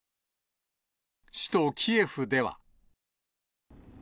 首都キエフでは。